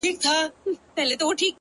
سيدې يې نورو دې څيښلي او اوبه پاتې دي’